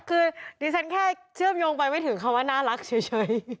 คือดิฉันแค่เชื่อมโยงไปไม่ถึงคำว่าน่ารักเฉย